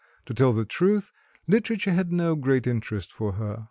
To tell the truth, literature had no great interest for her.